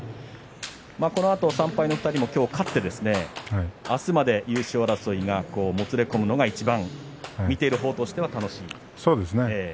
このあと３敗の２人も今日勝って明日にも優勝争いはもつれ込むのがいちばん見ている方としては楽しい。